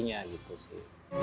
ya itu sih